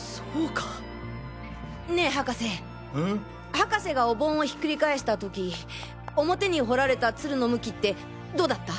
博士がお盆をひっくり返した時表に彫られた鶴の向きってどうだった？